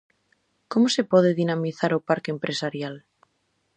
Como se pode dinamizar o parque empresarial?